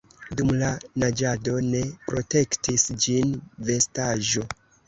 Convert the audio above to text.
Dum la naĝado ne protektis ĝin vestaĵo.